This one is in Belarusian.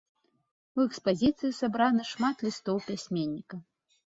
У экспазіцыі сабраны шмат лістоў пісьменніка.